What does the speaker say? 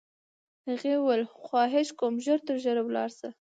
هغې وویل: خواهش کوم، ژر تر ژره ولاړ شه.